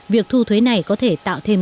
việc thu thuế này có thể tạo thêm